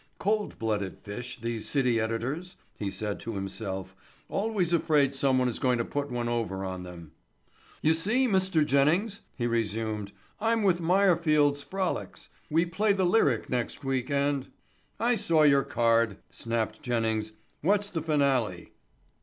Cold blooded fish, these city editors, he said to himself, always afraid someone is going to put one over on them. "You see, Mr. Jennings," he resumed, "I'm with Meyerfields' Frolics. We play the Lyric next week and—— "I saw your card," snapped Jennings. "What's the finale?"